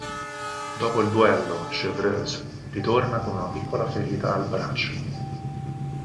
Dopo il duello, Chevreuse ritorna con una piccola ferita al braccio.